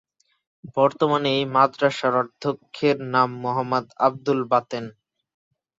বর্তমানে এই মাদ্রাসার অধ্যক্ষের নাম মোহাম্মদ আব্দুল বাতেন।